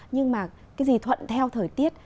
nhưng mà cái gì thuận theo thời tiết